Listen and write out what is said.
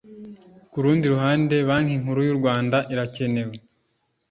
ku rundi ruhande banki nkuru y u rwanda irakenewe